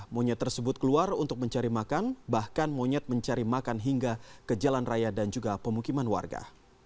monyet tersebut keluar untuk mencari makan bahkan monyet mencari makan hingga ke jalan raya dan juga pemukiman warga